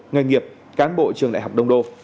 người nghiệp cán bộ trường đại học đông đô